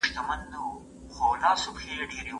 او یا دې مونږ ترې منکر نه شو